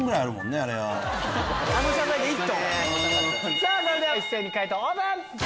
それでは一斉に解答オープン！